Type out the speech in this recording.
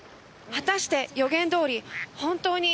「果たして予言どおり本当に」